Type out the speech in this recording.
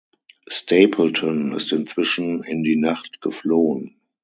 Stapleton ist inzwischen in die Nacht geflohen.